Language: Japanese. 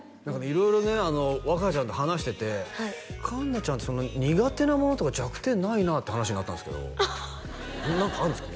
色々ね若ちゃんと話してて環奈ちゃんって苦手なものとか弱点ないなって話になったんですけど何かあるんですか？